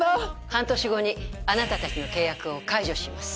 半年後にあなた達の契約を解除します